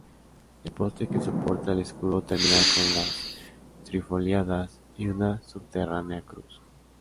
El poste que soporta el escudo termina con las trifoliadas y una subterránea cruz.